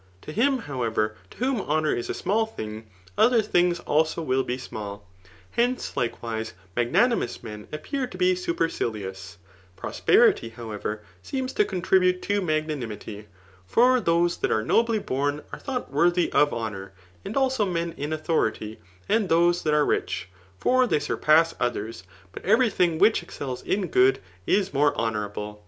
To him, however, to whom honour is a small thing, oth^ things abo will be small. . Hence^ likewbo^ magnanimous men appear to be superctiious* Pvpspenty, however, seems to contribute to magnanimity. F(»r those that are nobly bom are thought worthy of ha» nbur ; and also men in authority, and tliose Aat are ikh; for they surpass others. But every thing whidi exGels in g<)od, is more honourable.